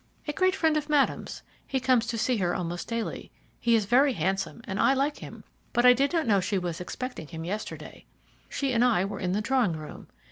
"A great friend of Madame's. He comes to see her almost daily. He is very handsome, and I like him, but I did not know she was expecting him yesterday. She and I were in the drawing room.